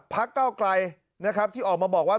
ภักดิ์เก้าไกรนะครับที่ออกมาบอกว่า